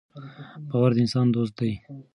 باور د انسان دوست دی.